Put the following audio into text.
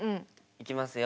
いきますよ。